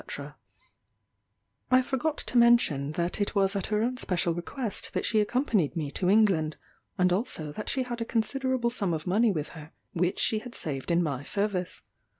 _ "I forgot to mention that it was at her own special request that she accompanied me to England and also that she had a considerable sum of money with her, which she had saved in my service.